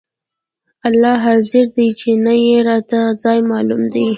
الله حاضر دى چې نه يې راته ځاى معلوم دى.